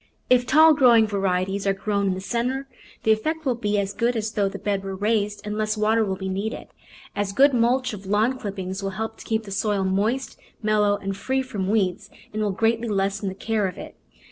If tall growing varieties are grown in the centre the effect will be as good as though the bed were raised and less water will be needed. A good mulch of lawn clippings will help to keep the soil moist, mellow, and free from weeds and will greatly lessen the care of it.